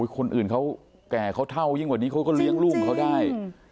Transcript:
คนอื่นเขาแก่เขาเท่ายิ่งกว่านี้เขาก็เลี้ยงลูกเขาได้